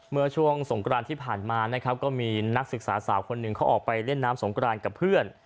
เมื่อช่วงสงกรานที่ผ่านมานะครับก็มีนักศึกษาสาวคนหนึ่งเขาออกไปเล่นน้ำสงกรานกับเพื่อน